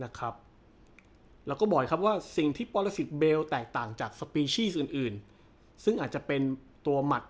แล้วก็บอกครับว่าสิ่งที่ปรสิทธิเบลแตกต่างจากสปีชีอื่นซึ่งอาจจะเป็นตัวหมัด